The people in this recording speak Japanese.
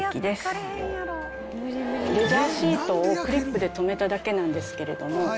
レジャーシートをクリップで留めただけなんですけれども。